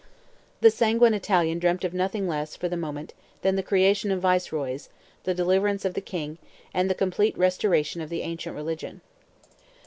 The sanguine Italian dreamt of nothing less, for the moment, than the creation of Viceroys, the deliverance of the King, and the complete restoration of the ancient religion.